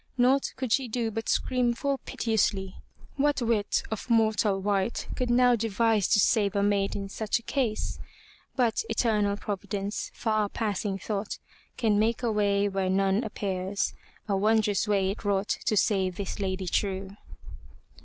Naught could she do but scream full piteously. What wit of mortal wight could now devise to save a maid in such a case? But eternal Providence, far passing thought, can make a way where none appears. A wondrous way it wrought to save this lady true.